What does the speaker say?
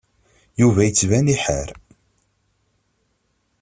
Yuba yettban iḥar.